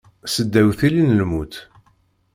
Seddaw tilli n lmut.